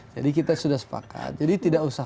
jadi kita sudah sepakat jadi tidak usah